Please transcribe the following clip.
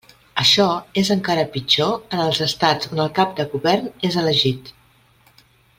Això és encara pitjor en els Estats on el cap de govern és elegit.